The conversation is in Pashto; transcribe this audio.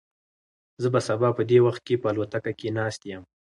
زه به سبا په دې وخت کې په الوتکه کې ناست یم.